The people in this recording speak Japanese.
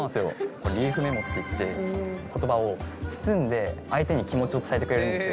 これリーフメモっていって言葉を包んで相手に気持ちを伝えてくれるんですよ